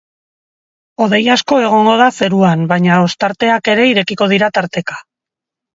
Hodei asko egongo da zeruan, baina ostarteak ere irekiko dira tarteka.